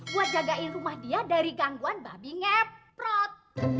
buat jagain rumah dia dari gangguan babi ngeprot